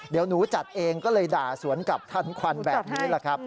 เดี๋ยวหนูจัดเองก็เลยด่าสวนกับท่านควันแบบนี้